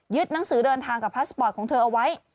หนังสือเดินทางกับพาสปอร์ตของเธอเอาไว้